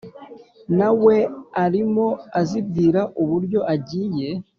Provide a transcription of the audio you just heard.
nawe arimo azibwira uburyo agiye